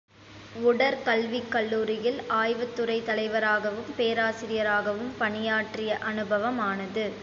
உடற்கல்விக் கல்லூரியில் ஆய்வுத்துறைத் தலைவராகவும், பேராசிரியராகவும் பணியாற்றிய அனுபவமானது.